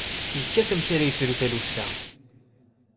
Yekkat amek ara yefru taluft-a.